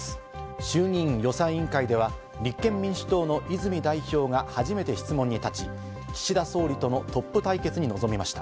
衆議院予算委員会では、立憲民主党の泉代表が初めて質問に立ち、岸田総理とのトップ対決に臨みました。